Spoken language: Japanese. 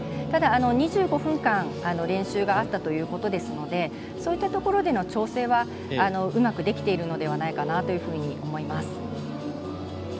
ただ２５分間練習があったということですのでそういったところでの調整はうまくできているのではないかと思います。